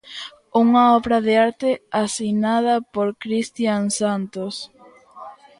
Unha obra de arte asinada por Cristian Santos.